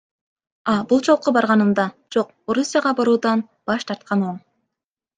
А бул жолку барганымда, жок, Орусияга баруудан баш тарткан оң.